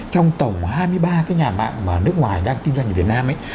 trong tổng hai mươi ba cái nhà mạng mà nước ngoài đang kinh doanh ở việt nam ấy